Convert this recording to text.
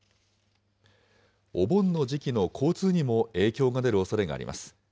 お盆の時期の交通にも影響が出るおそれがあります。